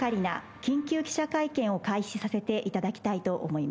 緊急記者会見を開始させていただきたいと思います。